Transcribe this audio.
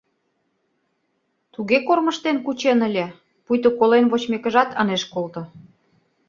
Туге кормыжтен кучен ыле, пуйто колен вочмекыжат ынеж колто.